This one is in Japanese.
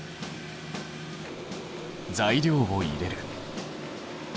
材料を入れる。